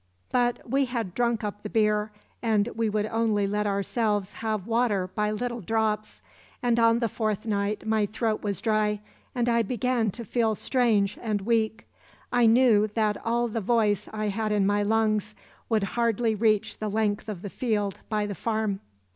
"But we had drunk up the beer, and we would only let ourselves have water by little drops, and on the fourth night my throat was dry, and I began to feel strange and weak; I knew that all the voice I had in my lungs would hardly reach the length of the field by the farm.